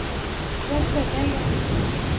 زه ښه نه یم